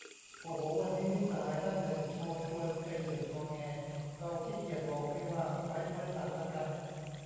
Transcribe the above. โอ้โห วันนี้มิตรสหายท่านหนึ่งโทรชวนไปดื่ม งอแง เราขี้เกียจ บอกไม่ว่าง ไว้พฤหัสละกัน